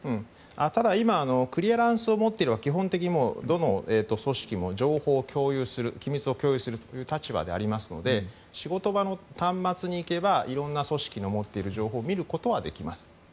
ただ、今クリアランスを持っているのはどの組織も情報を共有する機密を共有するという立場でありますので仕事場の端末に行けばいろんな組織の持っている情報を見ることはできます。